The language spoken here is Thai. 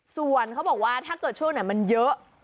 ส่วนเขาบอกว่าถ้าตัวโชคมันเยอะ